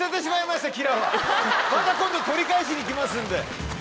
また今度取り返しに来ますんで。